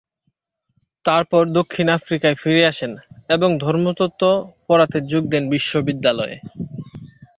তারপর দক্ষিণ আফ্রকায় ফিরে আসেন; এবং ধর্মতত্ত্ব পড়াতে যোগ দেন বিশ্ববিদ্যালয়ে।